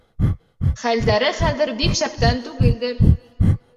Хәлдәре хәҙер бик шәптән түгелдер.